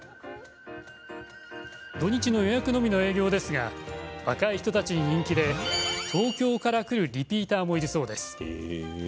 土日の予約のみの営業ですが若い人たちに人気で東京から来るリピーターもいるそうです。